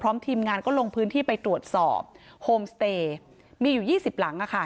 พร้อมทีมงานก็ลงพื้นที่ไปตรวจสอบโฮมสเตย์มีอยู่ยี่สิบหลังอะค่ะ